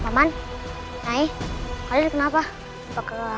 maman naik kalian kenapa